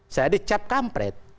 saya dicap kampret